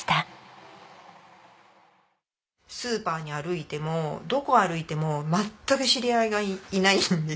スーパーに歩いてもどこを歩いても全く知り合いがいないんですよ。